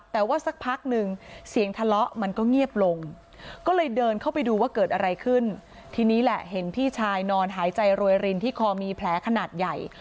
แต่ว่าสักพักหนึ่งเสียงทะเลาะมันก็เงียบลงก็เลยเดินเข้าไปดูว่าเกิดอะไรขึ้นทีนี้แหละเห็นพี่ชายนอนหายใจรวยรินที่คอมีแผลขนาดใหญ่